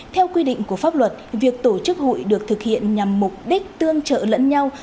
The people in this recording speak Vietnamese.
theo quy định của pháp luật việc tổ chức hội được thực hiện nhằm mục đích tương trợ lẫn nhau